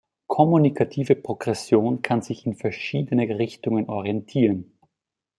Kommunikative Progression kann sich in verschiedene Richtungen orientieren.